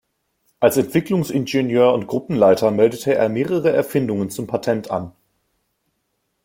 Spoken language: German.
Als Entwicklungsingenieur und Gruppenleiter meldete er mehrere Erfindungen zum Patent an.